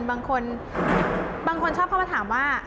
บางคนบางคนชอบเข้ามาถามว่า